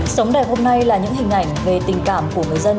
sống đẹp hôm nay là những hình ảnh về tình cảm của người dân